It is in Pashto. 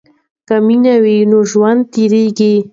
که مینه وي نو ژوند تیریږي.